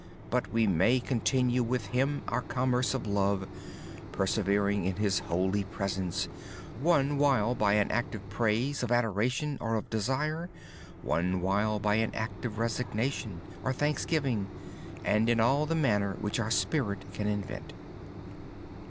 We may simply continue with Him in our commerce of love, persevering in His holy presence with an act of praise, of adoration, or of desire or with an act of resignation, or thanksgiving, and in all the ways our spirits can invent.